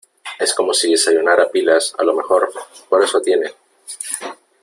es como si desayunara pilas . a lo mejor , por eso tiene